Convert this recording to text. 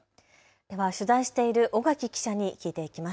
では取材している尾垣記者に聞いていきます。